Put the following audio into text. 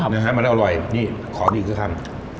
นะฮะมันอร่อยนี่ขออีกซักครั้ง